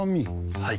はい。